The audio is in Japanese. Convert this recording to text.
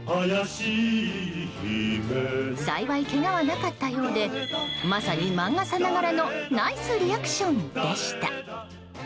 幸い、けがはなかったようでまさに漫画さながらのナイスリアクションでした。